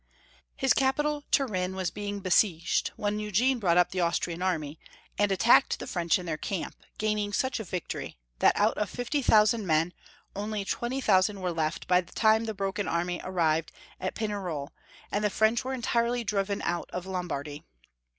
His capital, Turin, was being besieged, when Eugene brought up the Austrian army, and at tacked the French in their camp, gaining such a victory, that out of 50,000 men only 20,000 were left by the time the broken army arrived at Pig nerol, and the French were entirely driven out of Lombardy.